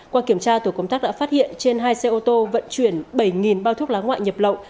qua kiểm tra tổ công tác đã phát hiện trên hai xe ô tô vận chuyển bảy bao thuốc lá ngoại nhập lậu